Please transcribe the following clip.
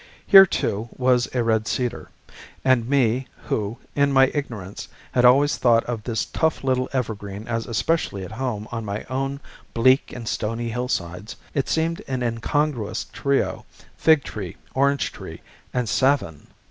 Here, too, was a red cedar; and to me, who, in my ignorance, had always thought of this tough little evergreen as especially at home on my own bleak and stony hillsides, it seemed an incongruous trio, fig tree, orange tree, and savin.